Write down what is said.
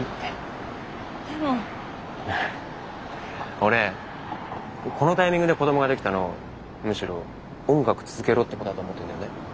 俺このタイミングで子どもができたのむしろ音楽続けろってことだと思ってるんだよね。